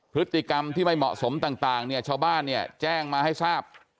พฤติกรรมที่ไม่เหมาะสมต่างชาวบ้านแจ้งมาให้ทราบ